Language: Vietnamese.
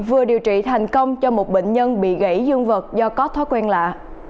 vừa điều trị thành công cho một bệnh nhân bị gãy dương vật do có thói quen lạ